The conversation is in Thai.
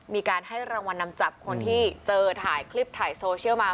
มีการให้รางวัลนำจับคนที่เจอถ่ายคลิปถ่ายโซเชียลมา